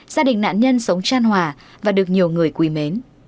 gia đình nạn nhân sống tràn hòa và được nhiều người quý mến